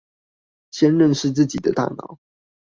先認識自己的大腦